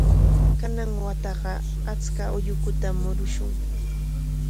Kanan wataqa achka ullukutam murushun.